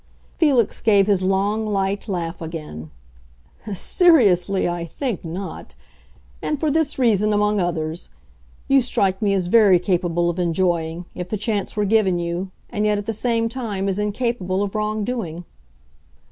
Felix gave his long, light laugh again. "Seriously, I think not. And for this reason, among others: you strike me as very capable of enjoying, if the chance were given you, and yet at the same time as incapable of wrong doing."